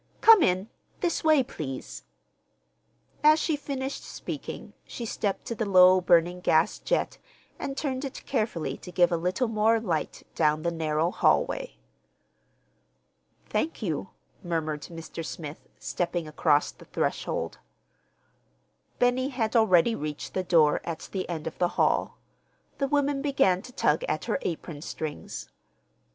Come in; this way, please." As she finished speaking she stepped to the low burning gas jet and turned it carefully to give a little more light down the narrow hallway. "Thank you," murmured Mr. Smith, stepping across the threshold. Benny had already reached the door at the end of the hall. The woman began to tug at her apron strings.